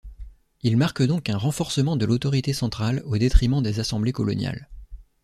Il marque donc un renforcement de l'autorité centrale au détriment des assemblées coloniales.